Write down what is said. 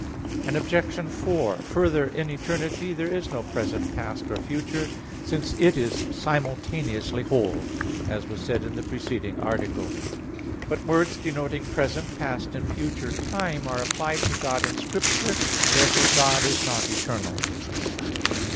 Obj. 4: Further, in eternity, there is no present, past or future, since it is simultaneously whole; as was said in the preceding article. But words denoting present, past and future time are applied to God in Scripture. Therefore God is not eternal.